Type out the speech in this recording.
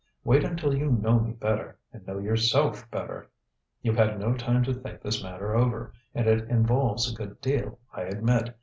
Wait until you know me better, and know yourself better. You've had no time to think this matter over, and it involves a good deal, I admit.